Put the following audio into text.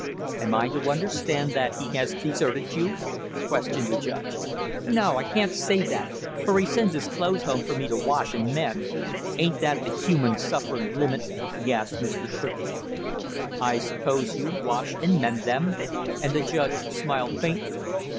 "Am I to understand that he has deserted you?" questioned the judge. "No, I can't say that, for he sends his clothes home for me to wash and mend." "Ain't that the human sufferin' limit?" gasped Mr. Shrimplin. "I suppose you wash and mend them?" And the judge smiled faintly.